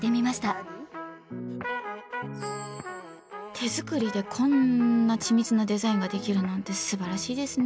手作りでこんな緻密なデザインができるなんてすばらしいですね。